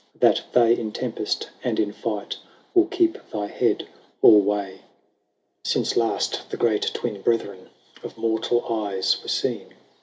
99 That they, in tempest and in fight, Will keep thy head alway. V. Since last the Great Twin Brethren Of mortal eyes were seen.